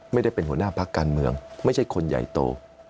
ไม่ได้เป็นหัวหน้าพักการเมืองไม่ใช่คนใหญ่โต